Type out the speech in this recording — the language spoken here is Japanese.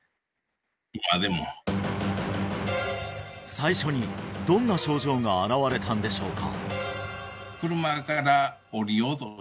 最初にどんな症状が現れたんでしょうか？